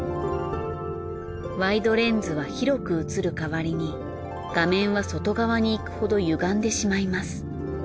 ワイドレンズは広く写る代わりに画面は外側にいくほどゆがんでしまいます。